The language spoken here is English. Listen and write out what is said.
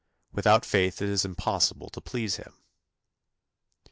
"Without faith it is impossible to please him."